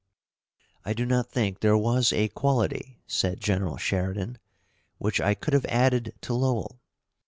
"I do not think there was a quality," said General Sheridan, "which I could have added to Lowell.